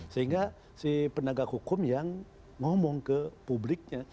sehingga si penegak hukum yang ngomong ke publiknya